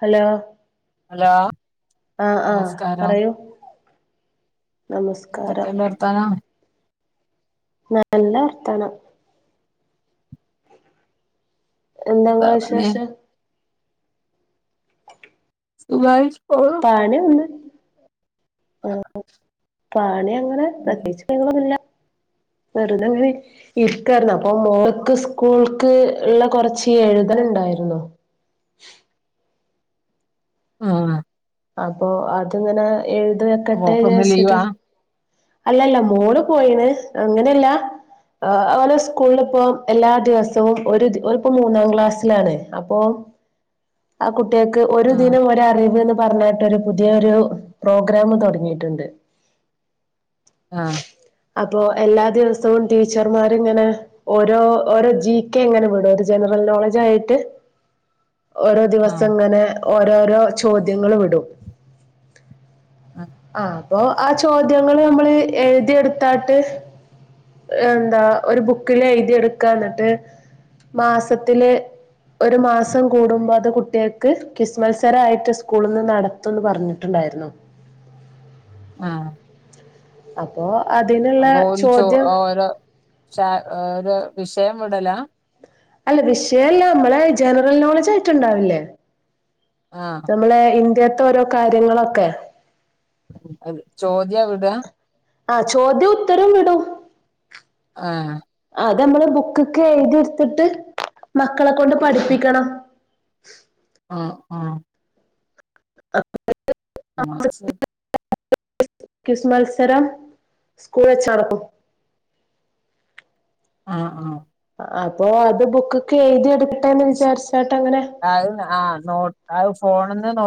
Hello hello ആഹ ആഹ നമസ്കാരം പറയൂ നമസ്കാരം പറ [inaudible] നല്ല വർത്തമാനം എന്താങ്ങള എന്താ പണി വിശേഷം സുഖായി പോന്നു പാണി ഒണ്ട് പണി അങ്ങനെ പ്രേത്യേകിച്ചു വെറുത ഇരിക്കരുന്നു അപ്പൊ മോൾക്ക് സ്കൂൾക്ക് ക്ക് ഉള്ള കുറച്ച് എഴുതൽ ഉണ്ടായിരുന്നു ആഹ അപ്പൊ അതിങ്ങനെ എഴുതി വെക്കട്ടെ മോൾക്കിന്ന് വിചാരിച്ചിട്ട് ലീവാ അല്ലല്ല മോള് പോയിണ് അങ്ങനെയല്ല അലെ സ്കൂളിലിപ്പ എല്ലാ ദിവസവും ഒരു ഒരുപ്പ മൂന്നാം ക്ലാസ്സിലാണ് അപ്പൊ [inaudible] ആ കുട്ടികക്ക് ഒരു ആഹ് ദിനം ഒരറിവ്ന്ന് പറഞ്ഞട്ട് പുതിയൊരു പ്രോഗ്രാം തുടങ്ങിയിട്ടുണ്ട് ആഹ അപ്പൊ എല്ലാ ദിവസവും ടീച്ചർമാരിങ്ങനെ ഓരോ ഓരോ ജി കെ എങ്ങനെ വിടും ഒരു ജനറൽ നോളജ് ആയിട്ട് [inaudible] ഓരോ ദിവസം ആഹ് ഇങ്ങനെ ഓരോരോ ചോദ്യങ്ങൾ വിടും ആഹ് ആ അപ്പൊ ആ ചോദ്യങ്ങള് നമ്മള് എഴുതിഎടുത്തിട്ട് എന്താ ഒരു ബുക്കില് എഴുതി എടുക്ക എന്നിട്ട് മാസത്തില് ഒരു മാസം കൂടുമ്പോ അത് കുട്ടികൾക്ക് ക്വിസ് മത്സരയിട്ട് സ്കൂളിൽ നിന്ന് നടത്തും ത്തൊന്ന് പറഞ്ഞിട്ടുണ്ടായിരുന്നു ആഹ അപ്പോ അതിന് അപ്പൊഈ ചോദ്യം ഓരോ വിഷയം വിടല അല്ല വിഷയല്ല നമ്മളെ ജനറൽ നോളജ് ആയിട്ട് ഉണ്ടാവില്ലേ ആഹ് നമ്മളെ ഇന്ത്യത്തൊരോ കാര്യങ്ങളൊക്കെ [unintelligible] ചോദ്യ എവിട ആഹ് ചോദ്യോം ഉത്തരം വിടും ആഹ് അതമ്മള് ബുക്ക്കെ എയ്തി എടുത്തിട്ട് മക്കളെ കൊണ്ട് പഠിപ്പിക്കണം ആഹ് ആഹ് മക്സെ ക്വിസ് മത്സരം സ്കൂൾ വെച്ച്നടക്കും ആഹ് ആഹ് അതോ അത് ബുക്ക്കെ എയ്തി എടുക്കട്ടെന്ന് വിചാരിച്ചാട്ട് അങ്ങനെ അത് ആഹ് നോ ആഗ് ഫോണിന്ന് നോ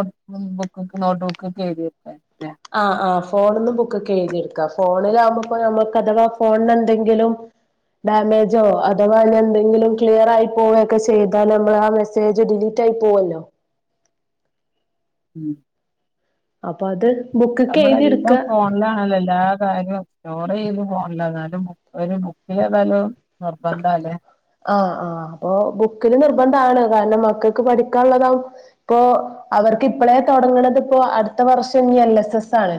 ബുക്ക് നോട്ട് ബുക്ക്ക്കെ എഴ് [unintelligible] ആഹ് ആ്ഹ് ഫോണൊന്നും ബുക്ക്കെ എയ്തിയെട്ക്കാ ഫോണിലാമ്പോപ്പോ ഞമ്മക്ക് അഥവാ ഫോണണ്ടങ്കിലും ഡാമേജോ അഥവാ ന്നി എന്തെങ്കിലും ക്ലിയർ ആയി പോവെക്ക ചെയ്താലമ്മൾ ആ സേജ ഡിലീറ്റ് ആയി പോവല്ലോ ഉം അപ്പ അത് ബുക്ക്ക്കെ എയ്തി എടുക്ക ള്ളണല്ലോ എല്ലാ കാര്യോം സ്റ്റോറ്യ്ത് പോണില്ല എന്നാലും ബു ഒരു ബുക്ക് ചെയ്താലോ നിർബന്ധാല്ലേ ആഹ് ആഹ് അപ്പൊ ബുക്കില് നിർബന്ധാണ് കാർണം മക്കക്ക് പഠിക്കാള്ളതാ പ്പൊ അവർക്ക് ഇപ്പളെ തൊടങ്ങണതിപ്പോ അട്ത്ത വർഷന്നി എൽ എസ് എസ് ആണ്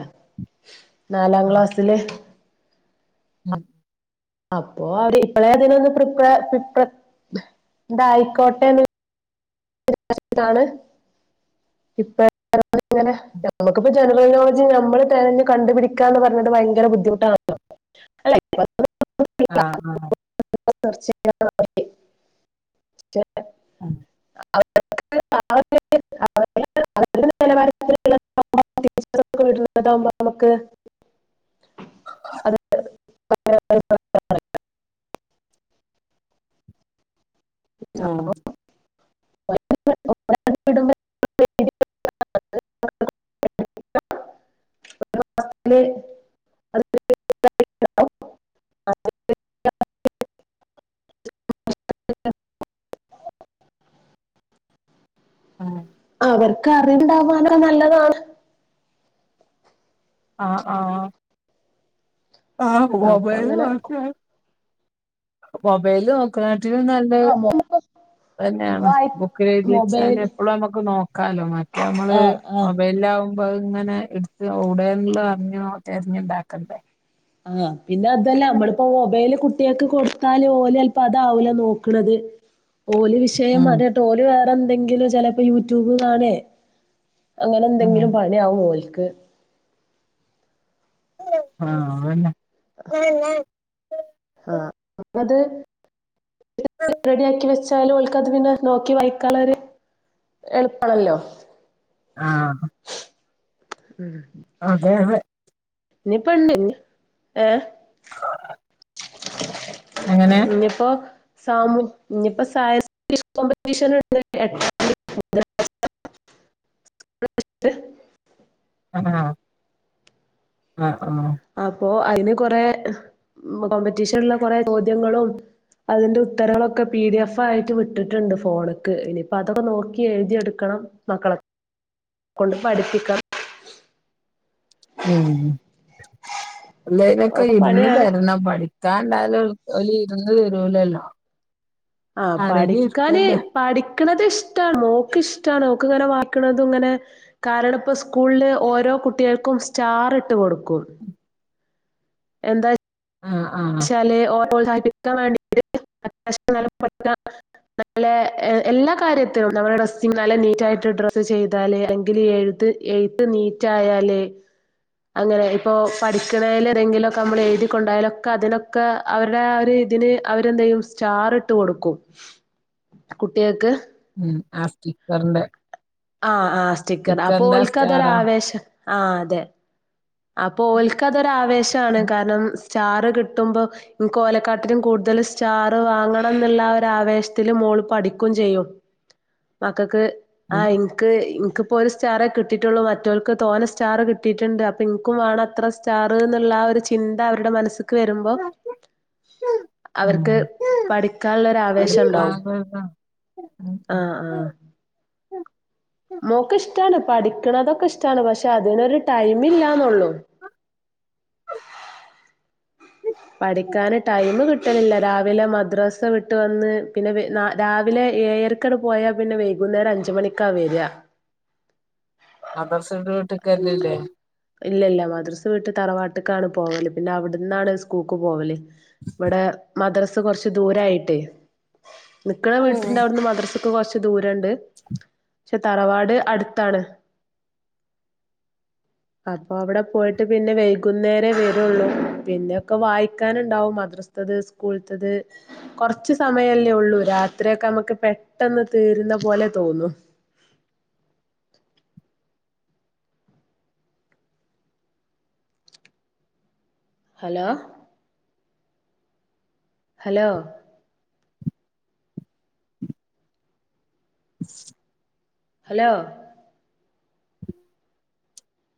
നാലാ ആഹ് ക്ലാസ്സില് ഉം അപ്പോ അവര് ഇപ്പളെതിനൊന്ന്പ്രിപ്ലെ [unintelligible] ഇന്തായിക്കോട്ടെന്ന് [unintelligible] ട്ടാണ് ഇപ്പ [unintelligible] ങ്ങനെ ഉം ഞമ്മക്കിപ്പ ജനറൽ നോളജ് മ്മള് തെരഞ്ഞ് കണ്ടുപിടിക്കാന്ന് പർന്നത് ഭയങ്കര ബുദ്ധിമുട്ടാണലോ ആഹ് ആഹ് [unintelligible] ആഹ് [unintelligible] [unintelligible] വീട്ടില് [unintelligible] മ്മക്ക് അത് [unintelligible] അഹ് വിടുമ്പോ നാല് അത് [unintelligible] [unintelligible] ആഹ് അവർക്ക് അറിവുണ്ടാവുവാനാക്ക നല്ലതാണ് ആഹ് ആഹ് ആഹ് അപ്പൊ മൊബൈല് അങ്ങനെ നോക്ക മൊബൈല് നോക്കണാട്ടിലും നല്ല ആ മോം അതന്നെയാണ് ബുക്ക്ല് എഴുതി വെച്ചാല് മൊബൈൽ എപ്ളും അമ്മക്ക് നോക്കാലോ മറ്റേമ്മള് ആ ആ മൊബൈലാ പ്പഇങ്ങനെ എട്ത്ത് ഓടെള്ള അറ്ഞ്ഞോ തെര് [unintelligible] ആഹ് പിന്നെ അതല്ല അമ്മളിപ്പോ മൊബൈല് കുട്ട്യാക്ക് കൊടുത്താല് ഓലെൽപ അതാവൂല നോക്ക്ണത് ഓല് വിഷയം ഉം അിതെതോ ഓല് വേറെ ന്തെങ്കിലും ചെലപ്പോ യൂട്യൂബ് കാണെ ഉം അങ്ങനെന്തെങ്കിലും പണി ആവു ഓൽക്ക് ആഹ് അന്നെ ആഹ് അത് [unintelligible] റെഡിയാക്കി വെച് ന്നാലു ഓൽക്കത് പിന്നെ നോക്കി വായ് ക്കാള്ളോര് എളുപ്പാ ണല്ലോ ആഹ് ഉമ് അതെ അതെ നി പ്പ ണ്ട് ഏഹ് ആഹ് ഞ്ഞി പൊ സാമൂ ഞ്ഞി പ്പം സായിസ് [unintelligible] ആഹ് ആഹ് ആഹ് അപ്പോ അയ്ന് കൊറെ കോമ്പറ്റീഷന് ള്ള കൊറെ ചോദ്യങ്ങളും അതിന്റെ ഉത്തരങ്ങക്കെ പി ഡി എഫ് ആയിട്ട് വിട്ടിട്ട്ണ്ട് ഫോണ്ക്ക് പ്പ അതൊക്ക നോക്കി എഴുതി എടുക്കണം മക്കളെ കൊണ്ട് പഠിപ്പിക്കാം ഉമ് [unintelligible] ഒക്കെ പണിയാണ് പണി ത്തണ്ടാലും ഓല് ഇരുന്ന് തരൂലല്ലോ ആഹ് അടങ്ങി പഠിക്കാന് ഇരിക്കണ്ടേ പഠിക്ക്ണത് ഇഷ്ടാണ് ഓക്ക് ഇഷ്ടാണ് ഓക്ക് ങ്ങന വായിക്ക്ണതും ങ്ങനെ കാരണം പ്പോ സ്കൂൾല് ഓരോ കുട്ടികൾക്കും സ്റ്റാറ് ട്ട് കൊടുക്കും എന്താ ആഹ് ആഹ് [unintelligible] നല്ല ഏഹ് എല്ലാ കാര്യത്തിലും നമ്മടെ ഡ്രസ്സിങ് നല്ല നീറ്റ ആയിട്ട് ഡ്രസ്സ് ചെയ്താല് എങ്കില് എഴുത് എഴുത്ത് നീറ്റ് ആയാല് അങ്ങനെ പ്പോ പഠിക്ക്ണേല് ഏതെങ്കിലുക്കമ്മള് എഴുതി കൊണ്ടായാലോ ക്ക അതിനൊക്കെ അവരുടെ ആ ഒരു ഇതിന് അവരെന്തയ്യും സ്റ്റാറ് ട്ട് കൊടുക്കും കുട്ട്യോക്ക് ഉമ് ആ സ്റ്റിക്കർ ന്റെ ആഹ് ആഹ് സ്റ്റിക്കർ അപ്പൊ ആ ഓൽക്കതൊരു സ്റ്റാറാ ആവേശം ആഹ് അതെ അപ്പോ ഓൽക്കത് ഒരാവേശാണ് ഉം കാരണം സ്റ്റാറ് കിട്ടുമ്പോ ഇൻക്ക് ഓലോകാട്ടിലും കൂടുതല് സ്റ്റാർ വാങ്ങണം ന്നുള്ള ഒരു ആവേശത്തില് മോള് പഠിക്കും ചെയ്യും മക്കക്ക് ഉം ആഹ് ഇൻക്ക് ഇൻക്കൊരു സ്റ്റാറേ കിട്ടിട്ടെള്ളൂ മറ്റോൽക്ക് തോന സ്റ്റാറ് കിട്ടീട്ടുണ്ട് അ ഇൻക്കു വാണം അത്ര സ്റ്റാറ്ന്നുള്ള ആ ഒരു ചിന്ത അവരുടെ മനസ്സ്ക്ക് വരുമ്പോ അവർക്ക് ഉം പഠിക്കാള്ളെ ഒര് ആവേശണ്ടാവും ആഹ് ആഹ് ആഹ് മോക്ക് ഇഷ്ടാണ് പഠിക്ക്ണതൊക്കെ ഇഷ്ടാണ് പക്ഷെ അതിനൊരു ടൈമില്ലാന്നെള്ളു പഠിക്കാന് ടൈമ് കിട്ടലില്ല രാവിലെ മദ്രസ വിട്ട് വന്ന് പിന്നെ രാവിലെ ഏഴര ക്ക് പോയാ പിന്നെ വൈകുന്നേരം അഞ്ചു മണിക്കാ വരാ. മദ്രസ വിട്ട് വീട്ട്ക്ക് വരലില്ലേ ഇല്ലല്ല മദ്രസ് വീട്ട് തറവാട്ടക്കാണ് പോവല് പിന്നെ അവിടന്നാണ് സ്കൂൾക്ക് പോവല് ഇവടെ മദ്രസ് കൊറച്ച് ദൂരായിട്ട് നിക്ക്ണ വീട്ട്ണ്ടവിടന്ന് മദ്രസ് സ്ക്ക് കൊറച്ച് ദൂരണ്ട് പക്ഷെ തറവാട് അടുത്താണ് അപ്പോ അവിടെ പോയിട്ട് പിന്നെ വൈകുന്നേരേ വരെള്ളൂ പിന്നെ ഒക്കെ വായിക്കാനുണ്ടാവും മദ്റസ ത്തത് സ്കൂൾത്തത് കൊറച്ച് സമയല്ലേ ഒള്ളൂ രാത്രിയൊക്കെ നമ്മുക്ക് പെട്ടെന്ന് തീരുന്ന പോലെ തോന്നും ഹലോ ഹലോ ഹലോ